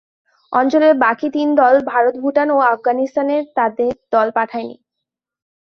অঞ্চলের বাকি তিন দল ভারত, ভুটান ও আফগানিস্তান তাদের দল পাঠায় নি।